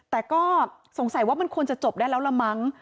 แต่ก็สงสัยว่ามันควรจะจบได้แล้วละมั้ง